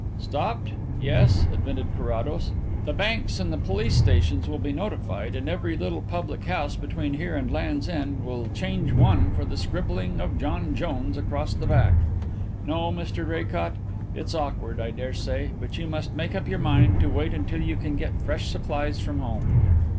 "Stopped? Yes," admitted Carrados. "And what does that amount to? The banks and the police stations will be notified and every little public house between here and Land's End will change one for the scribbling of 'John Jones' across the back. No, Mr Draycott, it's awkward, I dare say, but you must make up your mind to wait until you can get fresh supplies from home.